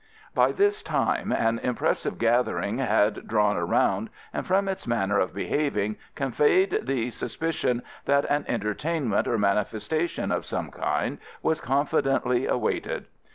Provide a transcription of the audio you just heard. By this time an impressive gathering had drawn around, and from its manner of behaving conveyed the suspicion that an entertainment or manifestation of some kind was confidently awaited.